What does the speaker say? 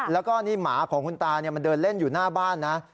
แล้วก็นี่หมาของคุณตามันเดินเล่นอยู่หน้าบ้านนะ